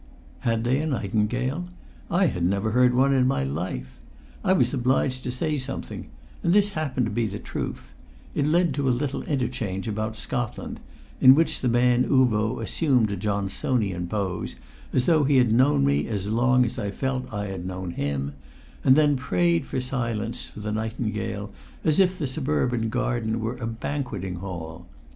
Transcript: Had they a nightingale? I had never heard one in my life. I was obliged to say something, and this happened to be the truth; it led to a little interchange about Scotland, in which the man Uvo assumed a Johnsonian pose, as though he had known me as long as I felt I had known him, and then prayed silence for the nightingale as if the suburban garden were a banqueting hall.